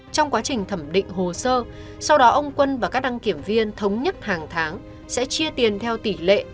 trong quá trình thẩm định hồ sơ sau đó ông quân và các đăng kiểm viên thống nhất hàng tháng sẽ chia tiền theo tỷ lệ